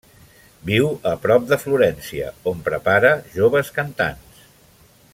Viu a prop de Florència, on prepara joves cantants.